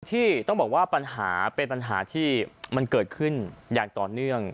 ที่ต้องบอกว่าปัญหาเป็นปัญหาที่มันเกิดขึ้นอย่างต่อเนื่อง